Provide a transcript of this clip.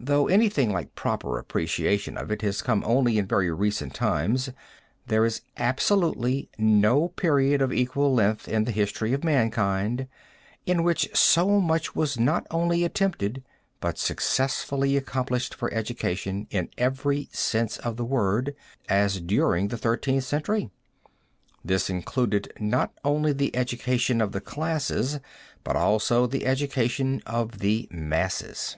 Though anything like proper appreciation of it has come only in very recent times, there is absolutely no period of equal length in the history of mankind in which so much was not only attempted, but successfully accomplished for education, in every sense of the word, as during the Thirteenth Century. This included, not only the education of the classes but also the education of the masses.